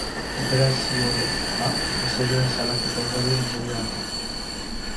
Operazioa bezeroen salaketa ugarien ondorioa da.